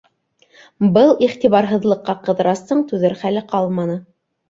Был иғтибарһыҙлыҡҡа Ҡыҙырастың түҙер хәле ҡалманы.